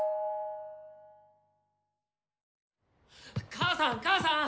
母さん母さん！